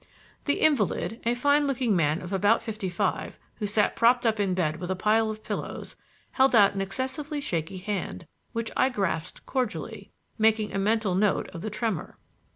The invalid, a fine looking man of about fifty five, who sat propped up in bed with a pile of pillows, held out an excessively shaky hand, which I grasped cordially, making a mental note of the tremor.